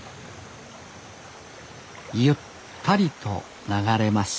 ゆったりと流れます